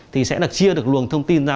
thì sẽ chia được luồng thông tin ra